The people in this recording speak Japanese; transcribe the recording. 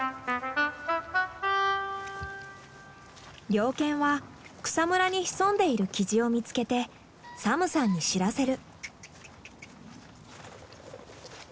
猟犬は草むらに潜んでいるキジを見つけてサムさんに知らせる。